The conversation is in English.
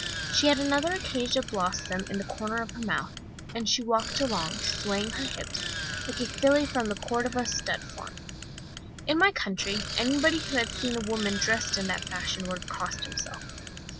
She had another acacia blossom in the corner of her mouth, and she walked along, swaying her hips, like a filly from the Cordova stud farm. In my country anybody who had seen a woman dressed in that fashion would have crossed himself.